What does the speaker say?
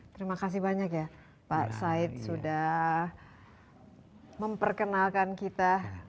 terima kasih banyak ya pak said sudah memperkenalkan kita